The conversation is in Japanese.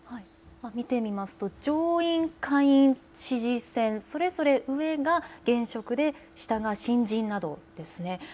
見てみますと上院、下院、知事選、それぞれ上が現職で下が新人などですね。